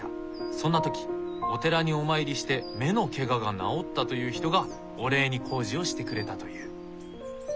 そんな時お寺にお参りして目のケガが治ったという人がお礼に工事をしてくれたという。